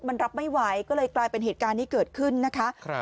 มันรับไม่ไหวก็เลยกลายเป็นเหตุการณ์นี้เกิดขึ้นนะคะ